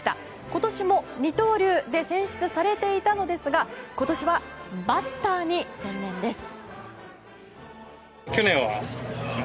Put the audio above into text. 今年も二刀流で選出されていたんですが今年はバッターに専念です。